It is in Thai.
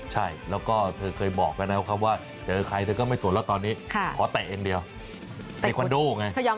ใช่แล้วก็เธอเคยบอกแล้วนะครับว่าเจอใครเธอก็ไม่สนแล้วตอนนี้ขอแตะเองเดียวในคอนโดไง